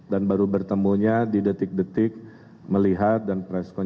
dan baru bertemunya di detik detik melihat dan preskon